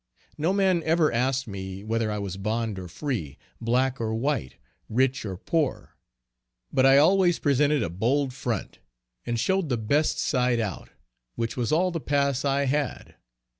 No man ever asked me whether I was bond or free, black or white, rich or poor; but I always presented a bold front and showed the best side out, which was all the pass I had.